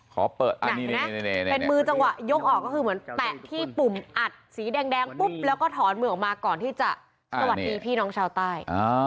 เป็นมือจังหวะยกออกก็คือเหมือนแตะที่ปุ่มอัดสีแดงปุ๊บแล้วก็ถอนมือออกมาก่อนที่จะสวัสดีพี่น้องชาวใต้